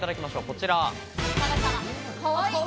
こちら。